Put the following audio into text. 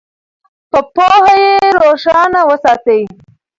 په پوهه یې روښانه وساتئ.